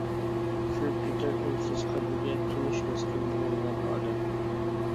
كىرىپ كېتەر ئۈنسىز قەبرىگە، تونۇشماستىن مىڭلىغان ئادەم.